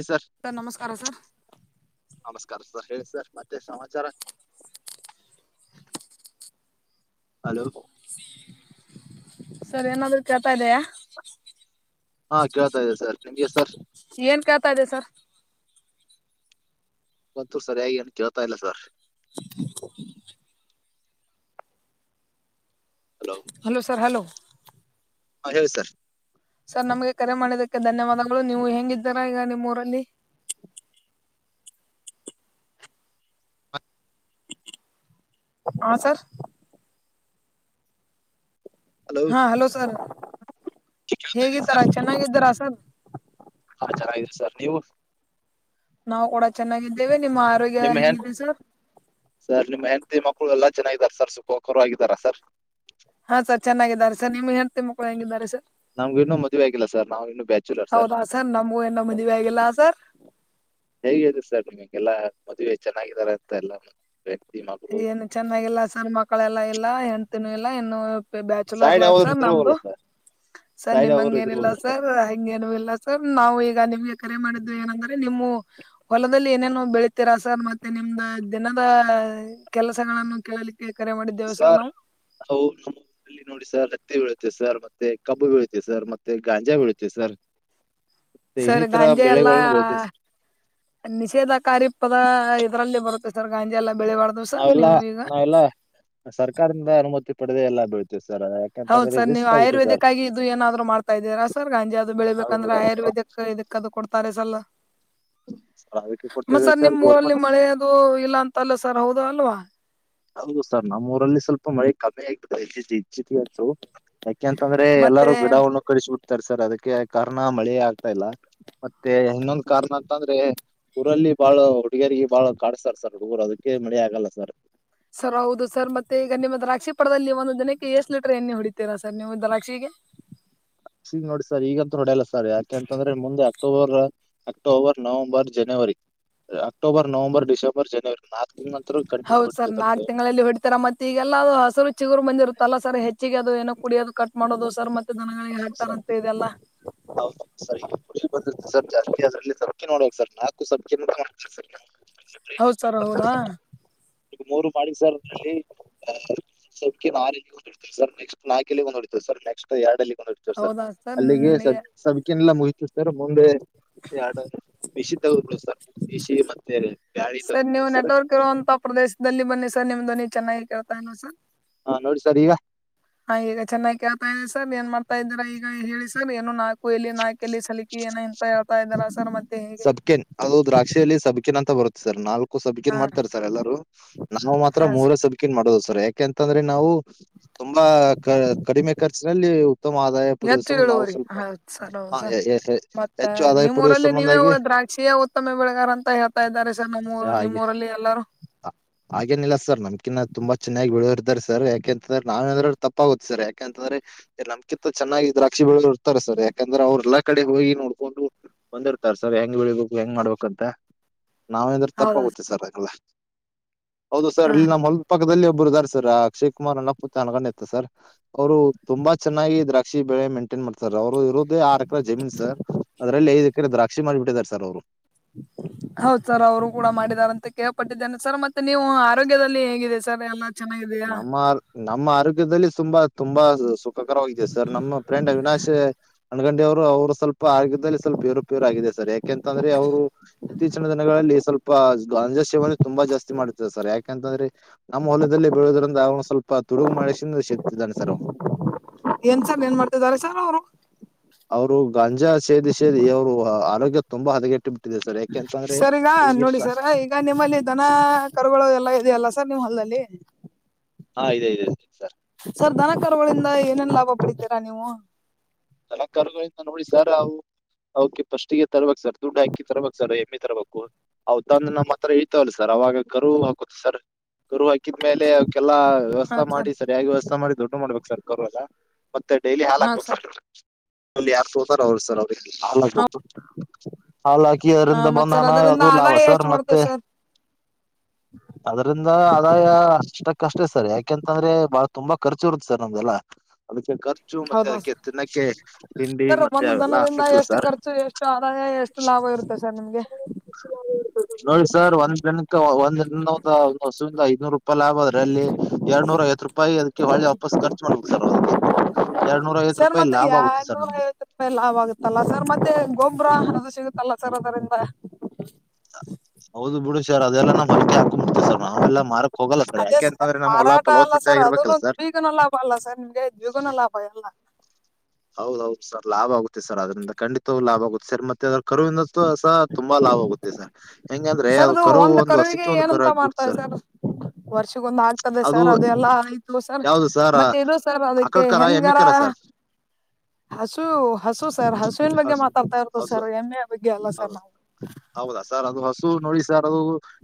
A sir ಸ ನಮಸ್ಕಾರ sir ನಮಸ್ಕಾರ ಸರ್ ಹೇಳ ಸರ್ ಮತ್ತೆ ಸಮಾಚಾರ ಹಲೋ ಸರಿ ಏನಾದ್ೂ ಕೇಳ್ತಾ ಇದೆಯಾ ಹಾ ಕೇಳ್ತಾ ಇದ್ದ ಸರ್ ನಿಮ್ಗೆ ಸರ್ ಏನ್ ಕಳ್ತಾದೆ ಸರ್ ಗಂತೂ ಸರಿ ಹಗಿ ಅಕ್ಕೆ ಗೊತಾ ಇಲ್ಲ sir hello hello sir hello ಹಾ ಹೇಳಿ ಸರ್ ಸರ್ ನಮ್ಗೆ ಕರೆ ಮಾಡದಕ್ಕೆ ಧನ್ಯವಾದಗಳು ನೀವು ಹೆಂಗಿದ್ದರಾ ಈಗ ನಿಮ್ಮೂಊರಲ್ಲಿ ಹಾ ಸರ್ ಹಾ ಹಲೋ ಸರ್ ಹೇಗಿದ್ದಾರ ಸರ್ ಚೆನ್ನಾಗಿದ್ದಾರಾ ಸರ್ ಹಾ ಚೆನ್ನಾಗಿದೆ ಸರ್ ನೀವು ನಾವು ಕೂಡ ಚೆಾಗಿದ್ದೇವೆ ನಿಮ್ಮ ಆ ನಿಮ್ಮ ಹೆ ಸರ್ ನಿಮ್ಮ ಹೆಂಡ್ತಿ ಮಕ್ಕಳು ಎಲ್ಲಾ ಚೆನ್ನಾಗಾರ ಸರ್ ಸುಖಕರಾಗಿದ್ದಾರ ಸರ್ ಹಾ ಸರ್ ಚೆನ್ನಾಗಿದ್ದಾರೆ ಸರ್ ನೀಮ್ ಹೆಂಡ್ತಿ ಮಕ್ಕಳು ಹೆಂಗಿದ್ದಾರೆ ಸರ್ ನಮ್ಗ ಇನ್ನೂ ಮದುವೆ ಆಗಲ್ಲ ಸರ್ ನಾವು ಇನ್ನೂ ಬ್ಯಾಚುಲರ್ ಸರ್ ಹೌದಾ ನಮಗೂ ಇನ್ನ ಮದುವೆ ಆಗಿಲ್ಲ ಸರ್ ಹೇಗದೆ ಸರ್ ನಿಮಗೆಲ್ಲಾ ಮದುವೆ ಚೆನ್ನಾಗಿದ್ದಾರೆ ಅಂತ ಎಲ್ಲ ವ್ಯಕ್ತಿ ಮಗಳು ಏನು ಚೆನ್ನಾಗಿಲ್ಲ ಸರ್ ಮಕ್ಕಳೆಲ್ಲಾ ಇಲ್ಲ ಹೆಂಡತಿನೂ ಇಲ್ಲ ಇನ್ನು ಬ್ಯಾಚುಲರ್ ಸೈಡ್ ಲೈಫ್ ಯಾವ್ರು ಸರ್ ಇದ್ರಲ್ಲ ನಮ್ದು ಸರ್ ಸರ್ ಸೈಡ್ ಯಾವ್ರು ನಿಮಂಗ ನ ಇಿಲ್ಲ ಇದ್ರಲ್ಲ ಸರ್ ಹಂಗೇನ ಇಲ್ಲ ಸರ್ ನಾವು ಈಗ ನಿಮ್ಗೆ ಕರೆ ಮಾಡಿದ್ದು ಏನಂದ್ರೆ ನಿಮ್ಮು ಹೊಲದಲ್ಲಿ ಏನೇನು ಬೆಳತಿೀರ ಸರ್ ಮತ್ತೆ ನಿಮ್ದ ದಿನದ ಕೆಲಸಗಳನ್ನು ಕೇಳಲಿಕ್ಕೆ ಕರೆ ಮಾಡಿದ್ದೇವು ಸರ್ ನಾವು ಹೌ [unintelligible] ಇಲ್ಲಿ ನೋಡಿ ಸರ್ ರತ್ತತೆ ಬೀುತ್ತೆ ಸರ್ ಮತ್ತೆ ಕಬ್ಬು ಬೀಳುತ್ತೆ ಸರ್ ಮತ್ತೆ ಗಂಜಾ ಬೀಳುತ್ತೆ ಸರ್ ಮತ್ತೆ ಸರಿ ಇನ್ನಿತರ ಗಾಂಜೆ ಎಲ್ಲಾ ಬೆಳೆಗಳನ್ನು ಬೆಳಿತೀವಿ ಸರ್ ನಿಷೇಧ ಕಾರಾರಿ ಪದ ಇದರಲ್ಲಿ ಬರುತ್ತೆ ಸರ್ ಗಾಂಜಿ ಎಲ್ಲ ಬೆಳೆಬಾರ್ದ ಸರ್ ನಾವೆಲ್ಲಾ ನೀವು ಈಗ ನಾವೆಲ್ಲಾ ಸರ್ಕಾರದಿಂದ ಅನುಮತಿ ಪಡೆದೆ ಎಲ್ಲಾ ಬೀಳ್ತವಿ ಸರ್ ಹೌದ ಯಾಕೆಂತಂದ್ರೆ ಸರ್ ನೀವು ರಿಸ್ಕ್ ಆಗುತ್ತೆ ಸರ್ ಆಯುರ್ವೇದಿಕ್ಕಗ ಇ ಏನಾದ್ರು ಮಾಡ್ತಾ ಇದೀರ ಸರ್ ಗಂಜಿ ಅದು ಬೆಳಿಬೇಕಂದ್ರೆ ಆಯುರ್ವೇದಕ್ ಇದಕ್ಕದು ಕೊಡ್ತಾರೆ ಸಲ ಸರ್ ಅದಕ್ಕೆ ಕೊಡ್ತಿದೆ ಮಸರ್ ಸರ್ ನಿಮ್ಮ್ಊರಲ್ಲಿ ಗೌರ್ಮೆಂಟ್ ಮಳೆ ಇದು ಇಲ್ಲ ಅಂತಲ್ಲ ಸರ್ ಹೌದು ಅಲ್ವಾ ಹೌದು ಸರ್ ನಮ್ಮ್ೂಊರಲ್ಲಿ ಸ್ವಲ್ಪ ಮಳೆ ಕಮ್ಮಿ ಆಗ್ತ ಇಜಿ ಅ ಯಾಕೆಂತಂದ್ರೆ ಎಲ್ಲಾರೂ ಮತ್ತೆ ಗಿಡವನ್ನು ಕಡಿಸಿಬ ಬಿಡ್ತಾರೆ ಸರ್ ಅದಕ್ಕೆ ಕರ್ಣ ಮಳೆ ಆಗ್ತಾ ಇಲ್ಲ ಮತ್ತೆ ಇನ್ನೊಂದ ಕಾರಣ ಅಂತ ಅಂದ್ರೆ ಊರಲ್ಲಿ ಬಾಳ ಹುಡುಗರಿಗೆ ಬಾಳ ಕಾಡ್ತಾರೆ ಸರ್ ಹುಡುಗರ್ ಅದಕ್ಕೆ ಮಳೆ ಆಗಲ್ಲ ಸರ್ ಸರ್ ಹೌದು ಸರ್ ಮತ್ತೆ ಈಗ ನಿಮ್ಮ ದ್ರಾಕ್ಷಿ ಪಡದಲ್ಲಿ ಒಂದು ದಿನಕ್ಕೆ ಎಷ್ಟು ಲೀಟರ್ ಎಣ್ಣೆ ಹೊಡಿತೀರಾ ಸರ್ ನೀವು ದ್ರಾಕ್ಷಿಗೆ ಈಗ್ ನೋಡಿ ಸರ್ ಈಗಂತ ನೋಡಲ್ಲ ಸರ್ ಯಾಕೆಂತಂದ್ರೆ ಮುಂದೆ ಅಕ್ಟೋಬರ್ ಆ ಅಕ್ಟೋಬರ್ ನವಂಬರ್ ಜನವರಿ ಅಕ್ಟೋಬರ್ ನವಂಬರ್ ಡಿಸೆಂಬರ್ ಜನವರಿ ನಾಕ್ ತಿಂಗ್ಗಳ ಹಂತತ್ರ ಕಡಿಮೆ ಹೊಡ್ತರ್ ಇಲ್ ವೆಡ್ತ ಮ ಈಗೆಲ್ಲ ಅದು ಹಸಿರು ಚಗುರು ಮಂಜುರುತ್ತಲ್ಲ ಸರ್ ಹೆಚ್ಚಿಗೆ ಅದು ಏನೋ ಕುಡಿಯೋದು ಕಟ್ ಮಾಡೋದು ಸರ್ ಮತ್ತೆ ದನಗಳಿಗೆ ಹಾತಾರಂತೆ ಇದೆಲ್ಲ ಹೌದ ಸರಿ ಕುಡಿ ಬಂದಿ ಸರ್ ಜಾಸ್ತಿ ಆದ್ರಲ್ಲಿ ಸಬೆ ನೋಬಬೇಕ ಸ ನಲ್ಕು [unintelligible] ಸಕೆ ಸರ್ ನಾವು. ಹೌದ ಸರ್ ಹೌದಾ ಇದು ಮೂರು ಮಾಡಿ ನಲ್ಲಿ ಸೌಕ್ಕೆ ನಾಲ ಹೊಂದತ ಸರ್ ನೆಕ್ಸ್ಟ್ ನಾಲ್ಕಲ್ಲಿ ಹೊಂದ ಹೊಡ್ತೇವೆ ಸರ್ ನೆಕ್ಸ್ಟ್ ಎರಡಲ್ಲಿ ಸರ್ ಅಲ್ಲಿಗೆ ಸ ಸಬ್ಕನೆಲ್ಲ ಮುಹಿತ ಸರ್ ಮುಂದೆ ಎಡ ಬಿಸಿ ತಗದ್ಬ ಸರ್ ಬಿಸಿ ಮತ್ತೆ ಬ್ಯಾಳಿ ಸರ್ ತೆಗೆದ್ಬಿಡು ನೀವು ನೆಟ್ವರ್ಕ್ ಇರೋಂತ ಪ್ರದೇಶದಲ್ಲಿ ಬನ್ನಿ ಸರ್ ನಿಮ್ದೊ ನೀಿ ಚೆನ್ನಾಗಿ ಕೇಳ್ತಾ ಇಲ್ಲ ಸರ್ ಹಾ ನೋಡಿ ಸರ್ ಈಗ ಹಾ ಈಗ ಚೆನ್ನಾಗಿ್ ಕೇಳ್ತಾ ಇದೆ ಸರ್ ನೀಏನ್ ಮಾಡ್ತಾ ಇದೀಾ ಈಗ ಹೇಳಿ ಸರ್ ಏನು ನಾಲ್ಕು ಎಲ್ಲಿ ನಾಲ್ಕ ಲ್ಲಿ ಸಲಕಿ ಏನ ಇಂತ ಹೇಳ್ತಾ ಇದಾರ ಸರ್ ಮತ್ ಸಬ್ಕೆನ್ ಅದು ದ್ರಾಕ್ಷಿಯಲ್ಲಿ ಸಬಕೆನ್ ಅಂತ ಬರುತ್ತೆ ಸರ್ ನಾಲ್ಕ ಸಿಕೆನ್ ಹಾ ಮಾಡ್ತಾರೆ ಸರ್ ಎಲ್ಲರೂ ನಾವು ಮಾತ್ರ ಹಾ ಮೂರ ಸರ್ ಸಬ್ ಬ್ನ್ ಮಾಡುದು ಸರ್ ಯಾಕೆಂತಂದ್ರೆ ನಾವು ತುಂಬಾ ಕಡಿಮೆ ಖರ್ಚಿನಲ್ಲಿ ಉತ್ತಮ್ ಆದಾಯ ಪುಡಸ್ ಹೆಚ್ಚು ನಾವು ಇಳುವರಿ ಸ್ವಲ್ಪ ಹೌದು ಸರ್ ಹ ಹೌದು ಹೆಚ್ಚು ಆದಾಯ ಪೂರಿತ ನೀವ ದ್ರಾಕ್ಷಿಯ ಉತ್ತಮ ಬೆಳೆಗಾರ ಅಂತ ಹೇಳ್ತಾ ಇದ್ದಾರೆ ಸರ್ ನಮ್ರ್ ನಿಮ್ಮ ಊರಲ್ಲಿ ಎಲ್ಲಾರೂ ಹ ಹಾಗೇನಿಲ್ಲ ಸರ್ ನಮ್ಕಿನ್ನ ತುಂಬಾ ಚೆನ್ನಾಗಿ ಬೆಳೋರ್ತಾರೆ ಸರ್ ಯಾಕೆಂತಂದ್ರೆ ನಾವೇಂದ್ರರು ತಪ್ಪಾಗೋಗುತ್ತೆ ಸರ್ ಯಾಕೆಂತಂದ್ರೆ ನಮ್ ಕಿಂತ ಚೆನ್ನಿದ್ರಾಕ್ಷಿ ಬೆಳಿಯೋರು ಇರ್ತಾರೆ ಸರ್ ಯಾಕಂದ್ರೆ ಅವ್ರ ಎಲ್ಲ ಕಡೆ ಹೋಗಿ ನೋಡ್ಕೊಂಡು ಬಂದಿರ್ತಾರೆ ಸರ್ ಹೆಂಗ್ ಬೆಳಿಬೇಕು ಹೆಂಗ್ ಮಾಡ್ಬೇಕಂತ ನಾವೇಂದ್ರೆ ತಪ್ಪಾಗುತ್ತೆ ಸರ್ ಅಲ್ಲ ಹೌದು ಸರ್ ಹಾ ಇಲ್ಲಿ ನಮ್ಮ ಹೊಲ್ ಪಕ್ಕದಲ್ಲಿ ಒಬ್ಬರು ಇದಾರೆ ಸರ್ ಆ ಅಕ್ಷಯ ಕುಮಾರ್ ಅನ್ನ ಅಪ್ಪು ಚ ಕೊಂಡ ಇತ್ತ ಸರ್ ಅವ್ರು ತುಂಬಾ ಚೆನ್ನಾಗಿ ದ್ರಾಕ್ಷಿ ಬೆಳೆ ಮೇಂಟೈನ್ ಮಾಡ್ತಾರೆ ಅವರು ಇರದೇ ಆರ್ ಎಕರೆ ಜಮೀನ್ ಸರ್ ಅದ್ರಲ್ಲಿ ಐದು ಎಕರೆ ದ್ರಾಕ್ಷಿ ಮಾಡಿಬಿಟ್ಟಿದ್ದಾರೆ ಸರ್ ಅವ್ರು ಹ್ಮ ಹೌದ ಸರ್ ಅವರು ಕೂಡ ಮಾಡಿದಾರ ಅಂತ ಕೇಳ್ಪಟ್ಟಿದ್ದೇನೆ ಸರ್ ಮತ್ತೆ ನೀವು ಆರೋಗ್ಯದಲ್ಲಿ ಹೇಗಿದೆ ಸರ್ ಎಲ್ಲ ನಮ್ಮ ನಮ್ಮ ಆರೋಗ್ಯದಲ್ಲಿ ತುಂಬಾ ತುಂಬಾ ಸು ಉಪಕಾರವಾಗಿದೆ ಸರ್ ನಮ್ಮ ಫ್ರೆಂಡ್ ಅವಿನಾಶ್ ಅಣಗಂಡಿ ಅವರು ಅವ್ರು ಸ್ವಲ್ಪ ಆರೋಗ್ಯದಲ್ಲಿ ಸ್ವಲ್ಪ ಏರುಪೇವರು ಆಗಿದೆ ಸರ್ ಯಾಕೆಂತಂದ್ರೆ ಅವ್ರು ಇತ್ತೀಚಿನ ದಿನಗಳಲ್ಲಿ ಸ್ವಲ್ಪ ಗಂಜ ಸೇವನೆ ತುಂಬಾ ಜಾಸ್ತಿ ಮಾಡ್ತದೆ ಸರ್ ಯಾಕೆ ಯಾಕೆಂತಂದ್ರೆ ನಮ್ಮ ಹೊಲದಲ್ಲಿ ಬೆಳೋದ್ರಂದ ಅವ್ನು ಸ್ವಲ್ಪ ತುಡುಗು ಮಾಡ್ತ ಶಕ್ತಿ ಇದಾನೆ ಸರ್ ಅವ್ನು. ಏನ್ ಸರ್ ಏನ್ ಮಾಡ್ತಿದಿದ್ದಾರೆ ಸರ್ ಅವರು ಅವರು ಗಂಜಾ ಸೇದಿ ಸೇದಿ ಅವ್ರು ಆರೋಗ್ಯ ತುಂಬಾ ಹದಗೆಟ್ಟ ಸರ್ ಯಾಕೆಂತ ಅಂದ್ರೆ ಸರ್ ಈಗ ಹಂ ನೋಡಿ ಸರ್ ಈಗ ನಿಮ್ಮಲ್ಲಿ ದನ ಕರುಗಳು ಎಲ್ಲ ಇದೆಯಲ್ಲ ಸರ್ ನಿಮ್ಮ್ ಹಲ್ದಲ್ಲಿ ಹಾ ಇದೆ ಇದೆ ಸರ್ ಸರ್ ದನ ಕರುಗಳಿಂದ ಏನೇನ್ ಲಾಭ ಪಡಿತೀರಾ ನೀವು ತಲ ಕಾಗಳಿಂದ ನೋಡಿ ಸರ್ ಅವ್ ಅವಕೆ ಫರ್ಸ್ಟ್ಗೆ ತರ್ಬೇಕ್ ಸರ್ ದುಡ್ಡು ಹಾಕಿ ತರಬೇಕು ಸರ್ ಎಮ್ಮೆ ತರಬೇಕು ಅವ್ತಂದ್ ನಮ್ಮ ಹತ್ರ ಯಿತವಲ್ಲ ಸರ್ ಅವಾಗ ಕರು ಹಾಕುತ್ತೆ ಸರ್ ಕರು ಹಾಕಿದ್ಮೇಲೆ ಅವಕ್ಕೆಲ್ಲ ಹಾ ವ್ಯವಸ್ಥಾ ಮಾಡಿ ಸರ್ ಸರಿಯಾಗಿ ವ್ಯವಸ್ಥೆ ಮಾಡಿ ದುಡ್ಡು ಮಾಡ್ಬೇಕು ಸರ್ ಕರು ಅಲ್ಲಾ ಮತ್ತೆ ಡೈಲಿ ಹಾಲ್ ಹಾ ಹಾಕ್ಬೇಕು ಸ ಸರ್ ಅಲ್ಲಿ ಯರ್ ಸೋತಾರ ಅವರು ಸರ್ ಅವ್ರ ಆಗ್ಬೇಕು ಹಾಲ್ ಹಾಕಿ ಹ ಅದರಿಂದ ಮತ್ ಬಂದ ಸರ್ ಹಣ ಅದರಿಂದ ಅದು ಲಾಭ ಆದಾಯ ಸರ್ ಎಷ್ಟು ಬರುತ್ತೆ ಮತ್ತೆ [inaudible] ಅದ್ರಂದ ಆದಾಯ ಅಷ್ಟಕ್ಕ ಅಷ್ಟೇ ಸರ್ ಯಾಕೆಂತಂದ್ರೆ ಬಾಳ ತುಂಬಾ ಖರ್ಚು ಇರುತ್ತೆ ಸರ್ ನಮ್ದದೆಲ್ಲಾ ಅದಕ್ಕೆ ಖರ್ಚು ಮತ್ತೆ ಹೌದಾ ಅದಕ್ಕೆ ಕೆತ್ತು ತಿಂಡಿ ಸರ್ ಮತ್ತೆ ಒಂದು ಅವೆಲ್ಲ ದನದಿಂದ ಹಕ್ಬೇಕಲ್ಲ ಎಷ್ಟು ಸರ್ ಖರ್ಚು ಎಷ್ಟು ಆದಾಯ ಎಷ್ಟು ಲಾಭ ಇರುತ್ತೆ ಸರ್ ನಿಮ್ಗೆ ನೋಡಿ ಸರ್ ಒಂದ್ ದಿನಕ್ಕೆ ಒಂದ್ ಇನ್ನ ಒಂದ್ ಹಸ ಇಂದ ಐನೂರು ಪ ಲಾಭ ಆದ್ರೆ ಅಲ್ಲಿ ಎರಡ್ನೂರ ಐತ್ತು ರೂಪಾಯಿ ಅದ್ಕ್ಕೆ ಒಳ್ಳೆ ವಾಪಸ್ ಖರ್ಚು ಮಾಡ್ಬೇಕು ಸರ್ ಅದಕ್ಕೆ ಎರಡ್ನೂರ ಐತ್ತು ರೂಪ ಆರ್ಡನೂರ್ ಐವತ್ತು ಲಾಭ ಆಗುತ್ತಲ್ಲ ಸರ್ ಮತ್ತೆ ಗೊಬ್ಬ್ರ ಅನ್ನದು ಸಿಗುತ್ತಲ್ಲ ಸರ್ ಅದರಿಂದ ಹೌದು ಬಿಡಿ ಸರ್ ಅದೆಲ್ಲ ನಾವ್ ಹಲ್ಕೆ ಹಾಕಂಬಿಡ್ತತಿ ಸರ್ ನಾವೆಲ್ಲ ಮಾರ್ಕ್ ಹೋಗಲ್ಲ ಸರ್ ಅದೇ ಯಾಕೆ ಅಂತಂದ್ರೆ ನಮ್ ಹೊಲಾ ಮಾರಾಟ ಅಲ್ಲ ಫಲವತ್ತತೆ ಸರ್ ಅದನು ಆಗಿರ್ಬೇಕಲ್ಲ ಸರ್ ದ್ವಿಗುಣ ಲಾಭ ಅಲ್ಲ ಸರ್ ನಿಮ್ಗೆ ಇದದ್ವಿಗುನ ಲಾಭ ಎಲ್ಲ ಹೌದೌದು ಸರ್ ಲಾಭ ಆಗುತ್ತೆ ಸರ್ ಅದ್ರಂದ ಖಂಡಿತ ಲಾಭ ಆಗುತ್ತೆ ಸರ್ ಮತ್ತೆ ಅದ್ರ ಕರುವಿಂದು ಸಹ ತುಂಬಾ ಲಾಭ ಆಗುತ್ತೆರ್ ಸರ್ ಹೆಂಗಂದ್ರೆ ಸರ್ ಅದು ಕರು ಒಂದು ಕರುವರುವಿಗೆ ವರ್ಷಕ್ಕೆ ಒಂದು ಕರು ಏನಂತ ಹಾಕಿಬಿಡ್ತು ಮಾಡ್ತವೆ ಸರ್ ವರ್ಷಗೊಂದು ಆಗ್ತದೆ ಅದು ಸರ್ ಅದೆಲ್ಲ ಆಯ್ತು ಸರ್ ಯಾವ್ದು ಸರ್ ಮತ್ತೆ ಇದು ಸರ್ ಅದಕ್ಕೆ ಕರ ಎಮೆ ಹೆನ್ಗರ ಕರ ಸರ್ ಹಸು ಹಸು ಸರ್ ಹಸುವಿನ ಬಗ್ಗೆ ಹಸು ಮಾತಾಡ್ತಾ ಇರೋದು ಹಸು ಸರ್ ಹೆಮ್ಮೆಯ ಬಗ್ಗೆ ಅಲ್ಲ ಸರ್ ಹೌದು ನಾವು ಹೌದಾ ಸರ್ ಅದು ಹಸು ನೋಡಿ ಸರ್ ಅದು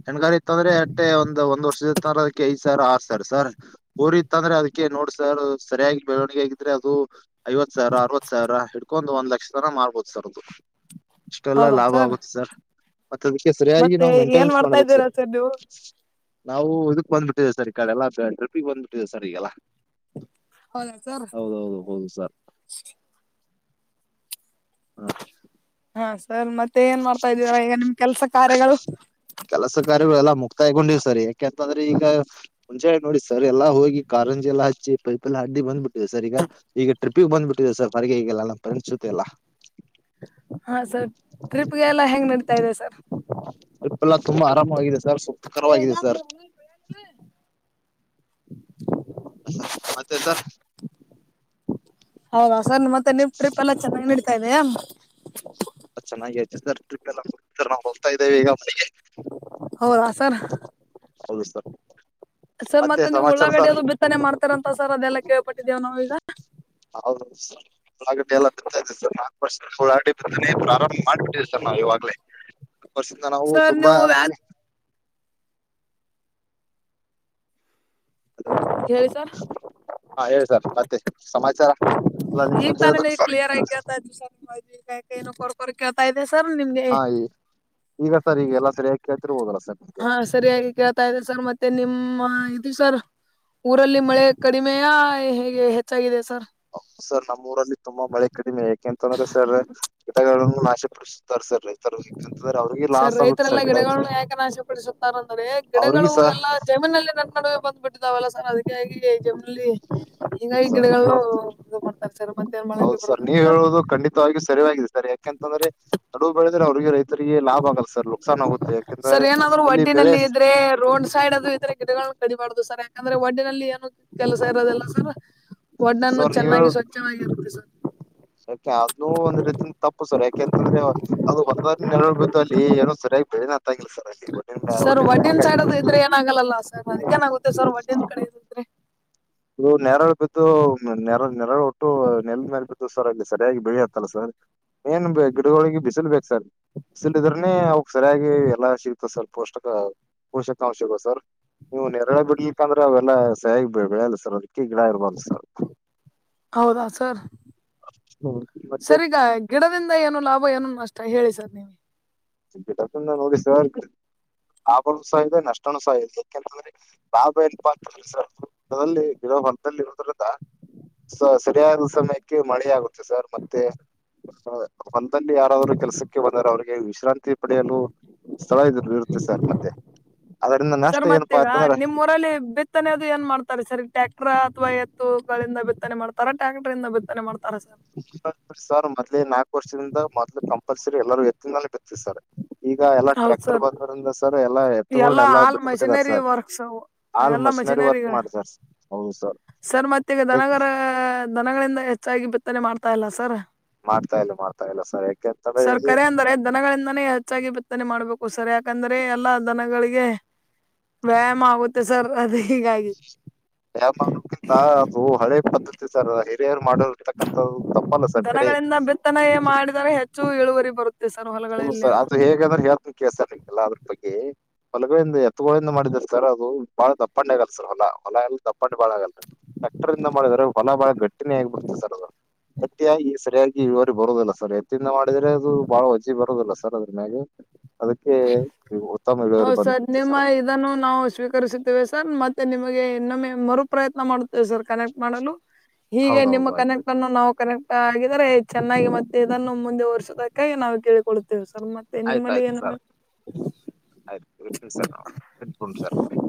ಹೆಣ್ಗಾ ಅತ್ತಂದ್ರೆ ಅಟ್ಟೆ ಒಂದ ಒಂದ್ ವರ್ಷದತ್ತಂದ್ರೆದಕ್ಕೆೈದು ಸಾವರ ಆ ಸರ್ ಸರ್ ೋರಿತ್ತ ಅಂದ್ರೆ ಅದಕ್ಕೆ ನೋಡ್ ಸರ್ ಸರಿಯಾಗಿ ಬೆಳವಣಿಗೆ ಆಗಿದ್ರೆ ಅದು ಐವತ್ ಸಾವಿರ ಅರವತ್ ಸಾವಿರ ಹಿಡ್ಕೊಂಡು ಒಂದ ಲಕ್ಷ ತನ ಮಾಡ್ಬೋದು ಸರ್ ಅದು ಅಷ್ಟೆಲ್ಲಾ ಲಾಭ ಆಗುತ್ತೆ ಸರ್ ಮತ್ತ ಅದಕ್ಕೆ ಸರಿಯಾಗಿ ಮತ್ತೆ ನಾವು ಏನ್ ಮೇಂಟೆನೆನ್ಸ್ ಮಾಡ್ತಾ ಮಾಡ್ಬೇಕಕ್ ಇದ್ದೀರಾ ಸರಿ ಸರ್ ನೀವು ನಾವು ಇದಕ್ ಬಂದ್ಬಿಟ್ಟಿದ್ದವಿ ಸರ್ ಈ ಕಡೆ ಎಲ್ಲಾ ಟ್ರಿಪಿಗೆ ಬಂದ್ಬಿಟ್ಟಿದ್ದೆ ಸರ್ ಈಗೆಲ್ಲಾ ಹೌದ ಸರ್ ಹೌದೌದು ಹೌದು ಸರ್ ಹಾಕ್ ಹ ಸರ್ ಮತ್ತೆ ಏನ್ ಮಾಡ್ತಾ ಇದ್ದೀರ ಈಗ ನಿಮ್ ಕೆಲಸ ಕಾರ್ಯಗಳು ಕೆಲಸ ಕಾರ್ಯಗಳೆಲ್ಲ ಮುಕ್ತಾಯಗೊಂಡಿವ್ ಸರಿ ಯಾಕೆಂತಂದ್ರೆ ಈಗ ಮುಂಚೆ ಹೇಳಿ ನೋಡಿ ಸರ್ ಎಲ್ಲಾ ಹೋಗಿ ಕಾರಂಜಿ ಎಲ್ಲ ಹಚ್ಚಿ ಪೈಪೆಲ್ಲ ಅಡ್ಡಿ ಬಂದ್ಬಿಟ್ಟು ಸರ್ ಈಗ ಈಗ ್ರಿಿಗೆ ಬಂದ್ಬಟ್ಟಿದೆ ಸರ್ ಹೊಗೆ ಹಗಲ್ಲ ನಮ್ಮ ಫ್ರೆಂಡ್ಸ್ ಜೊತೆಲ್ಲ ಹಾ ಸರ್ ಟ್ರಿಪ್ಗೆ ಎಲ್ಲ ಹೆಂಗ್ ನಡತಾ ಇದೆ ಸರ್ ಟ್ರಿಪ್ ಎಲ್ಲ ತುಂಬ ಆರ ಆಾಗಿದೆ ಸ ರವಾಗಿದೆ ಸರ್ೆ ಸದ ಹೌದಾ ಸರ್ ಮತ್ತೆ ನಿ ಟ್ರಿಪ್ ಎಲ್ಲಾ ಚೆನ್ನಾಗಿ ನೀಡ್ತಾ ಇದಯಾ ಚೆನ್ನಾಗಿ ಆ ಸರ್ ಎಲ್ಲರ್ ನಾವು ಹೋಗ್ತಾ ಇದ್ದೇವೆ ಈಗ ಮನೆಗೆ ಹ ಆಸ ಹೌದು ಸರ್ ಸರ್ ಮತ್ತೆ ನೀವು ಸಮಾಚಾರ ಉಳ್ಳಾಗಡ ಸರ್ ಯ ಬಿತ್ತನೆ ಮಾಡ್ತಾರಂತ ಸರ್ ಅದೆಲ್ಲ ಕೇಳ್ಪಟ್ಟಿದ್ದೇವ ನಾವ ಈಗ ಹೌದೌದು ಸರಿ ುಗ ಎಲ್ಲ ಬರ್ತಾ ಸರ್ ನಾಲ್ಕು ವರ್ಷಫುಲ್ ಆಿ ಬೇ ಪ್ರಾರಂಭ ಮಾಡ್ಬಿಟ್ಟಿದೆ ಸ ನಾ ಇವಾಗಲೇ ವರ್ಷಿಂದ ನಾವು ಸರ್ ತುಂಬಾ ನೀವು ಅದರಲ್ಲಿ ಹೇಳಿ ಸರ್ ಅ ಹಾ ಹೇಳ ಸರ್ ಮತ್ತೆ ಸಮಾಚಾರ ಎಲ್ಲ ನಿಮ್ ಈಗ ಕಡೆ ತಾನೇ ಹೇಳ್ಬೇಕು ಈ ಸರ್ ಕ್ಲಿಯರ್ ಆಗಿೇತಾ ಇದ್ ಈಗ ಏ ರ್ ಕೇಳ್ತಾ ಇದೆ ಸರ್ ನಿಮ್ಗೆ ಹಾ ಈಗ ಸರ್ ಈಗ ಎಲ್ಲಾ ಸರಿಯಾಗಿ ಕೇಳ್ತಿರ್ಬೋದಲ್ಲ ಸರ್ ನಿಮ್ಗೆ ಹ ಸರಿಯಾಗಿ ಕೇಳ್ತಾ ಇದೆ ಸರ್ ಮತ್ತೆ ನಿಮ್ಮ ಇದು ಸರ್ ಊರಲ್ಲಿ ಮಳೆ ಕಡಿಮೆಯ ಹೇಗೆ ಹೆಚ್ಚಾಗಿದೆ ಸರ್ ಸರ್ ನಮ್ಮ ಊರಲ್ಲಿ ತುಂಬಾ ಮಳೆ ಕಡಿಮೆ ಯಾಕೆಂತಂದ್ರೆ ಸರ್ ಗಿಟಗಳನ್ನುಾಶ ಪಡ ತರ್ಸರ್ರಿ ಸರಿ ರೈತರೆಲ್ಲಾ ಇದ್ರೆ ಗಿಡಗಳನ್ನ ಯಾಕೆನಾಾಶ ಪಡಿಸುತ್ತಾರ ಅಂದರೆ ಅವ್ರಿಗೆ ಗಿಡಗಳು ಸಹ ಎಲ್ಲಾ ಜಮೀನಲ್ಲಿ ನನ್ನ ನಡುವೆ ಬಂದ್ಬಿಟ್ಟಿದ್ದಾವಲ್ಲ ಸರ್ ಅದಕ್ಕಾಗಿ ಜಮೀನಲ್ಲಿ ಹಿಂಗ ಈ ಸರ್ ನೀ ಗಿಡಗಳಲ್ಲ ಮಾಡ್ತಾರೆ ಸರ್ ಮತ್ತೆ ನ್ ಮಳಕ್ಕೆ ಹೌದು ಬರೋದನ್ನ ನೀವ್ ಸರ್ ಹೇಳೋದು ಸರಿಯಾಗಿದೆ ಸರ್ ಯಾಕೆಂತಂದ್ರೆ ನಡುವು ಬೆಳದ್ರೆ ಅವ್ರಿಗೆ ರೈತರಿಗೆ ಲಾಭ ಆಗಲ್ಲ ಸರ್ ನುಕ್ಸಾನ್ ಆಗುತ್ತೆ ಸರ್ ಯಾಕೆಂದ್ರೆ ಏನಾದ್ರು ಅಲ್ಲಿ ಬೆಳೆ ಒಡ್ಡಿನಲ್ಲಿ ಇದ್ರೆ ರೋಡ್ ಸೈಡ್ ಅದು ಇದ್ರೆ ಗಿಟಗಳ ಕಡಿ ಮಾಡಾರ್ದುದು ಸರ್ ಯಾಕಂದ್ರೆ ಒಡ್ಡಿನಲ್ಲಿ ಏನು ಕೆಲಸ ಇರೋದಿಲ್ಲ ಸರ್ ಒಡ್ಡನ್ನು ಸರ್ ನೀವ್ ಚೆನ್ನಾಗಿ ಹೇಳ ಸ್ವಚ್ಛವಾಗಿರುತ್ತೆ ಸರ್ ಯಾಕೆ ಅ್ೂ ಒಂದ್ ರೀತಿ ತಪ್ಪಸರ್ ಯಾಕೆಂತಂದ್ರೆ [inaudible] ಆಗಲ್ಲ ಸರ್ ಅದೇನ ಆಾಗುತ್ತೆ ಸರ್ ಒಡ್ೆಿನ ಕಡೆ ಇದ್ರೆ ಇದು ನೆರಳು ಬಿದ್ದು ನೆರಳ ನೆರಳು ಒಟ್ಟು ನೆಲ್ ಮೇಲೆ ಬ ಬಿಿದ್ದು ಸರ್ ಅಲ್ಲಿ ಸರಿಯಾಗಿ ಬೆಳಿಯ ತ್ತಲ ಸರ್ ಏನ್ ಗಿಡಗಳಿಗೆ ಬಿಸಿಲು ಬೇಕು ಸರ್ ಇದ್ರನೇ ಅವಕ್ ಸರಿಯಾಗಿ ಎಲ್ಲಾ ಸಿಗ್ತ ಸರ್ ಪೋಷಕ ಪೋಷಕಾಂಶ ಸಿಗ ಸರ್ ನೀವು್ ನೆರಳೆ ಬಿಡ್ಲಿಕ್ಕಂದ್ರೆ ಅವೆಲ್ಲ ಸೇಗ ಬೆಳಲ್ಲ ಸರ್ ಅದಕ್ಕಿ ಗಿಡ ಇರ್ಬಾರದು ಸರ್ ಹೌದಾ ಸರ್ ಮತ್ತೆ ಸರಿ ಈಗ ಗಿಡದಿಂದ ಏನು ಲಾಭ ಏನು ನಷ್ಟ ಹೇಳಿ ಸರ್ ನೀಮ್ಗೆ ಗಿಡದಿಂದ ನೋಡಿ ಸರ್ ಹಬ ಸಹ ಇದೆ ನಷ್ಟನ ಸಹ ಇದೆ ಯಾಕೆಂತಂದ್ರೆ ಬಾಬ ಎ ಗಿಡ ಹೊಂತದಲ್ಲಿ ಇರುದ್ರದ ಸ ಸರಿಯಾದ ಸಮಯಕ್ಕೆ ಮಳೆ ಆಗುತ್ತೆ ಸರ್ ಮತ್ತೆ ಒಂದಲ್ಲಿ ಯಾರಾದ್ರೂ ಕೆಲ್ಸಕ್ಕೆ ಬಂದರೆ ಅವ್ರಿಗೆ ವಿಶ್ರಾಂತಿ ಪಡೆಯಲು ಸ್ಥಳ ಇದ್ರ ಇರುತ್ತೆ ಸರ್ ಮತ್ತೆ ಅದರಿಂದ ನಷ್ಟ ಏನಪ್ಪಾ ಆಯತಂದ್ರೆ ಮೊರ ಬಿತ್ತನೆ ಅದು ಏನ್ ಮಾಡ್ತಾರೆ ಸರ್ ಈಗ ಟ್ಯಾಕ್ಟ್ರ ಅಥವಾ ಎತ್ತು ಗಳಿಂದ ಬಿತ್ತನೆ ಮಾಡ್ತಾರ ಟ್ಯಾಕ್ಟರ್ ಇಂದ ಬಿತ್ತನೆ ಮಾಡ್ತಾರ ಸರ್ ಸರ್ ಮೊದ್ೇ ನಾಲ್ಕು ವರ್ಷದಿಂದ ಮೊದ್ಲು ಕಂಪಲ್ಸರಿ ಎಲ್ಲರೂ ಎತ್ತಿನ ಬಿತ್ತವಿ ಸರ್ ಈಗ ಎಲ್ಲಾ ಹೌದ್ ಟ್ರ್ಯಾಕ್ಟರ್ ಸರ್ ಬಂದೋ್ರಿಂದ ಸರ್ ಎಲ್ಲಾ ಎತ್ತಗೊಂಡನ ಎಲ್ಲಾ ಆಲ್ ಬಿಟ್ಟು ಬಿಟ್ಟಿದಾರ ಮಷಿನರಿ ಸರ್ ವರ್ಕ್ಸ್ ಅವು ಆಲ್ ಎಲ್ಲಾ ಮಷಿನರಿ ವರ್ಕ್ ಮಷಿನರಿಗಳ ಮಾಡ ಸರ್ ಹೌದು ಸರ್ ಸರ್ ಮತ್ತ ಈಗ ಚೆಕ್ ದನಗರ ದನಗಳಿಂದ ಹೆಚ್ಚಾಗಿ ಬಿತ್ತನೆ ಮಾಡ್ತಾ ಇಲ್ಲ ಸರ್ ಮಾಡ್ತಾ ಇಲ್ಲ ಮಾಡ್ತಾ ಇಲ್ಲ ಸರಿ ಯಾಕೆ ಸರ್ಖರೆ ಅಂದ್ರರೆ ದನಗಳಿಂದಾನೇ ಹೆಚ್ಚಾಗಿ ಬಿತ್ತನೆ ಮಾಡ್ಬೇಕು ಸರ್ ಯಾಕಂದ್ರೆ ಎಲ್ಲಾ ದನಗಳಿಗೆ ವ್ಯಾಯಾಮ ಆಗುತ್ತೆ ಸರ್ ಅದ ಹೀಗಾಗಿ ಯಿಂತಾ ಅದು ಹಳೆ ಪದ್ಧತಿ ಸರ್ ಹಿರಿಯರು ಮಾಡಲ್ ರ್ತಕ್ಕಂಥ್ದು ತಪ್ಪಲ್ಲ ಸರ್ಕರೆ ತನ ಮಾಡಿದರೆ ಹೆಚ್ಚು ಇಳುವರಿ ಬರುತ್ತೆ ಸರ್ ಹ್ಮ ಹೊಲಗಳಲ್ಲಿ ಸ ಎಲ್ಲ ಅದು ಹೇಗಾದ್ರೆ ಯಾ ಕೆಲಸ ಆಗ್ಿಲ್ಲಲ್ಲ ಅದ್ರ ಬಗ್ಗೆ ಹೊಲಗಿಂದ ಎತ್ತಗಳಿಂದ ಮಾಡಿದಾರ ಸರ್ ಅದು ಬಾಳ ದಪ್ಪಂಡಿ ಆಗಲ್ ಸರ್ ಹೊಲ ಹೊಲ ಎಲ್ಲ ದಪ್ಪಂಡು ಬಾಳ ಆಗಲ್ರಿ ಟ್ರ್ಯಾಕ್ಟರಿ ಇಂದ ಮಾಡಿದ್ರರೆ ಹೊಲ ಬಾಳ ಗಟ್ಟಿನಿ ಆಗಿಬಿತದೆ ಸರ್ ಅದು ಪಟ್ಟಿಯಾಗಿ ಸರಿಯಾಗಿ ಇವರು ಬರದಿಲ್ಲ ಸರಿ ಎತ್ತಿಂದ ಮಾಡಿದ್ರೆ ಅದು ಬಹಳ ಬರದಲ್ಲ ಸರ್ ಅದ್ರ ಮ್ಯಲೆ ಅದಕ್ಕೆ ಉತ್ತಮ ವಿೇವರು ಬಂದ್ಬಡ್ತ ಸರ್ ಅದ ಅನ್ನು ನಾವು ಸ್ವೀಕರಿಸುತ್ತೇವೆ ಸರ್ ಮತ್ತೆ ನಿಮಗೆ ಇನ್ನೊಮ್ಮೆ ಮರು ಪ್ರಯತ್ನ ಮಾಡುತ್ತೇವೆ ಸರ್ ಕನೆಕ್ಟ್ ಮಾಡಲು ಹೀಗೆ ನಿಮ್ಮ ಹೌದೌದು ಆಯ್ತು ಕನೆಕ್ಟ್ ಅನ್ನು ನಾವು ಕನೆಕ್ಟ್ ಹಾಗಿದರೆೆ ಚೆನ್ನಾಗಿ ಮತ್ತೆ ಇದನ್ನು ಮುಂದೆ ಒಸೋದಕ್ಕಾಗಿ ನಾವು ಕೇಳಿಕೊಡ್ುತ್ತೇವೆ ಸರ್ ಆಯ್ತು ಆಯ್ತು ಮತ್ತೆ [inaudible] [inaudible]